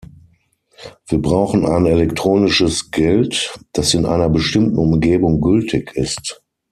Wir brauchen ein elektronisches Geld, das in einer bestimmten Umgebung gültig ist.